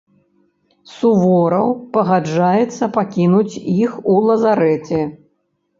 Сувораў пагаджаецца пакінуць іх у лазарэце.